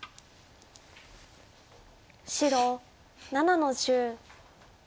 白７の十。